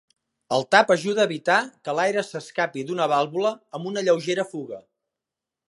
El tap ajuda a evitar que l'aire s'escapi d'una vàlvula amb una lleugera fuga.